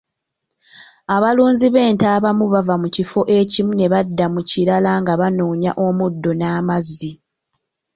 Abalunzi b'ente abamu bava mu kifo ekimu ne badda mu kirala nga banoonya omuddo n'amazzi.